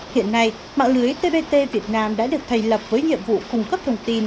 hiện nay mạng lưới tbt việt nam đã được thành lập với nhiệm vụ cung cấp thông tin